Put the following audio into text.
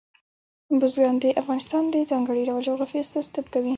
بزګان د افغانستان د ځانګړي ډول جغرافیه استازیتوب کوي.